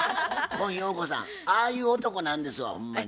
今陽子さんああいう男なんですわほんまに。